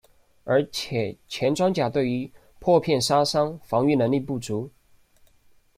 而且前装甲对于破片杀伤防御能力不足。